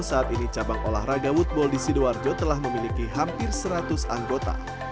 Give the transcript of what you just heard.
saat ini cabang olahraga woodball di sidoarjo telah memiliki hampir seratus anggota